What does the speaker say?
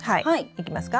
いきますか？